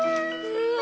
うわ！